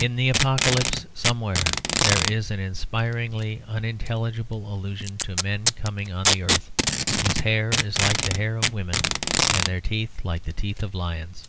In the Apocalypse somewhere there is an inspiringly unintelligible allusion to men coming on the earth, whose hair is like the hair of women and their teeth like the teeth of lions.